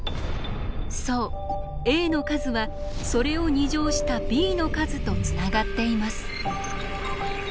そうＡの数はそれを２乗したＢの数とつながっています。